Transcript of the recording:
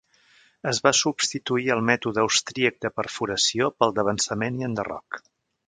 Es va substituir el mètode austríac de perforació pel d'avançament i enderroc.